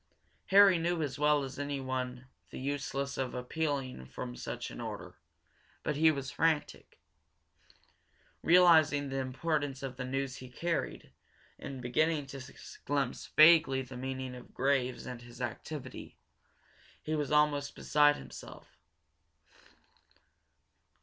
Harry knew as well as anyone the uselessness of appealing from such an order, but he was frantic. Realizing the importance of the news he carried, and beginning to glimpse vaguely the meaning of Graves and his activity, he was almost beside himself.